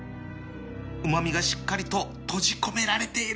うま味がしっかりと閉じ込められている